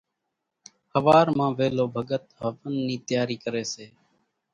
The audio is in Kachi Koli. ۿوار مان ويلو ڀڳت هونَ نِي تياري ڪريَ سي۔